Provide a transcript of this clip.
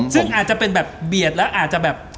ซึ่งอาจจะเป็นแบบเบียดแล้วอาจจะแบบ